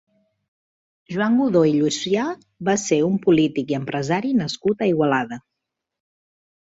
Joan Godó i Llucià va ser un polític i empresari nascut a Igualada.